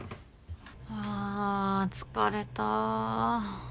あ疲れた。